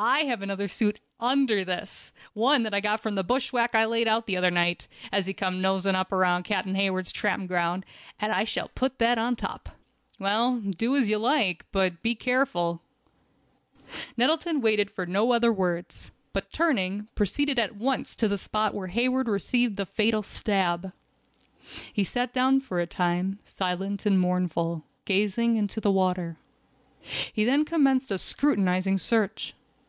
I have another suit under this, one as I got from the bushwhack I laid out the other night, as he came noseing around Captain Hayward's tramping ground, and I shall put that on top." "Well, do as you like, but be careful!" Nettleton waited for no other words, but turning, proceeded at once to the spot where Hayward received the fatal stab. He sat down for a time, silent and mournful, gazing into the water. He then commenced a scrutinizing search.